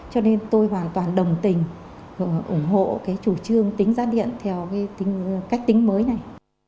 cho nên tôi hoàn toàn đồng tình ủng hộ chủ trương tính giá điện theo cách tính mới này